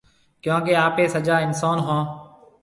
ڪيونڪي آپي سجا اِنسون هون۔